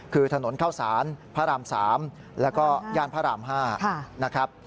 คือถนนเข้าสารพระราม๓แล้วก็ย่านพระราม๕นะครับ